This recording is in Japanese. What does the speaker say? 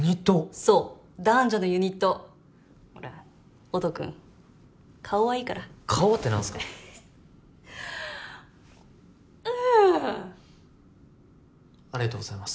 そう男女のユニットほら音くん顔はいいから顔はって何すかうんありがとうございます